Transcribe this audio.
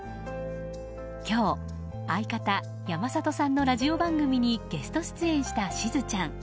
今日、相方・山里さんのラジオ番組にゲスト出演したしずちゃん。